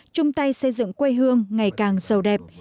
trung tay xây dựng quê hương ngày càng giàu đẹp